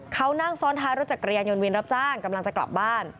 เขานั่งซ้อนท้ายรถจักรยานยนต์วินรับจ้างกำลังจะกลับบ้าน